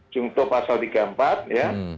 jungto pasal tiga puluh empat ya